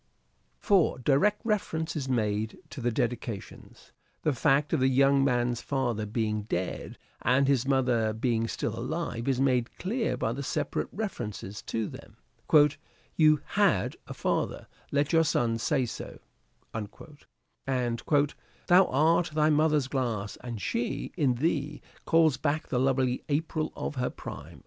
4. Direct reference is made to the dedications. The fact of the young man's father being dead and his mother being still alive is made clear by the separate references to them : 1 ' You had a father : let your son say so '' and " Thou art thy mother's glass and she, in thee, Calls back the lovely April of her prime."